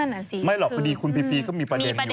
อ่ะสิไม่หรอกพอดีคุณพีพีก็มีประเด็นอยู่